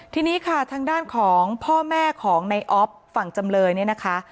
ทางด้านของพ่อแม่ของในออฟฝั่งจำเลยนี้นะคะ